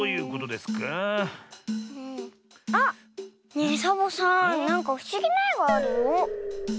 ねえサボさんなんかふしぎな「え」があるよ。